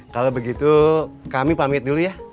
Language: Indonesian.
kalau begitu kami pamit dulu ya